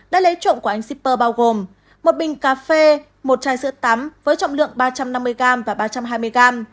đã lấy trộm của anh shipper bao gồm một bình cà phê một chai sữa tắm với trọng lượng ba trăm năm mươi gram và ba trăm hai mươi gram